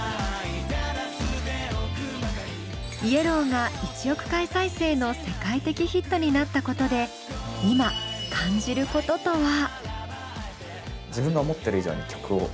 「ＹＥＬＬＯＷ」が１億回再生の世界的ヒットになったことで今感じることとは。